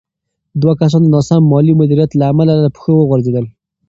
دوه کسان د ناسم مالي مدیریت له امله له پښو وغورځېدل.